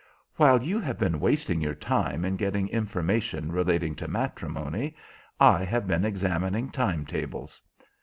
"While you have been wasting your time in getting information relating to matrimony, I have been examining time tables.